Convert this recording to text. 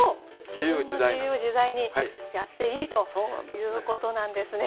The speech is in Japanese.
自分の自由自在にやっていいということなんですね。